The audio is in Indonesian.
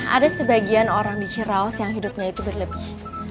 ada sebagian orang di ciraos yang hidupnya itu berlebih